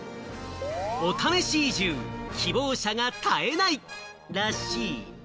お試し移住、希望者が絶えないらしい。